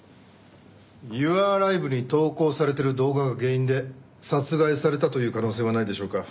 ユアライブに投稿されている動画が原因で殺害されたという可能性はないでしょうか？